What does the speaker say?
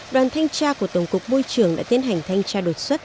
đoàn thanh tra của tổng cục môi trường đã tiến hành thanh tra đột xuất